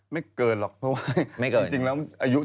ไม่เกินหรอกเพราะว่าจริงแล้วอายุ